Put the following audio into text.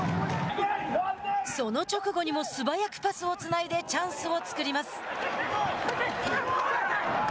その直後にも素早くパスをつないでチャンスを作ります。